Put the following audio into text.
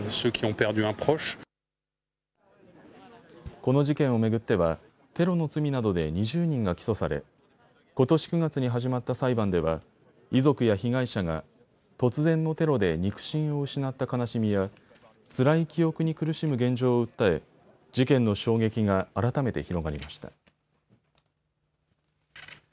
この事件を巡ってはテロの罪などで２０人が起訴されことし９月に始まった裁判では遺族や被害者が突然のテロで肉親を失った悲しみやつらい記憶に苦しむ現状を訴え事件の衝撃が改めて広がりました。